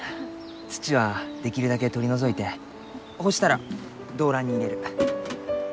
土はできるだけ取り除いてほうしたら胴乱に入れる。